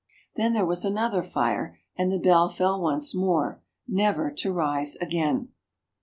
Then there was another fire, and the bell fell once more, never to rise again.